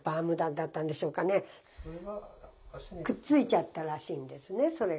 くっついちゃったらしいんですねそれが。